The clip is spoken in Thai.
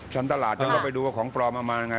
ชั้นตลาดนั้นก็มีดู้ว่าของพร้อมมันมาอย่างไร